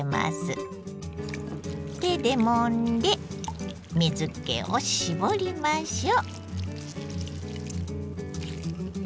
手でもんで水けを絞りましょう。